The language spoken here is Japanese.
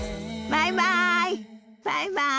バイバイ！